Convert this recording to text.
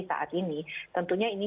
saat ini tentunya ini